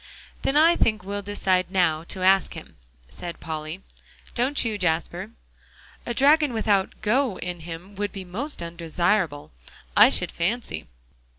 "Then I think we'll decide now to ask him," said Polly, "don't you, Jasper?" "A dragon without 'go' in him would be most undesirable, I should fancy.